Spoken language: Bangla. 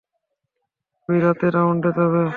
তুই রাতের রাউন্ডে যাবে।